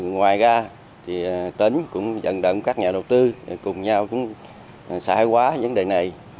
ngoài ra tỉnh cũng dẫn động các nhà đầu tư cùng nhau xã hội hóa vấn đề này